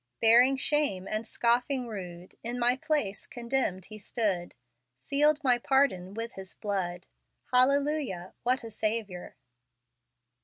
" Bearing shame and scoffing rude , In my place condemned He stood; Sealed my pardon with His blood: Hallelujah , what a Saviour!"